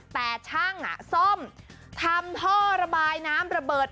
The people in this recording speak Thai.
แต่ช่างซ่อมทำท่อระบายน้ำระเบิด